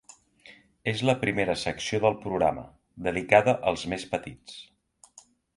És la primera secció del programa, dedicada als més petits.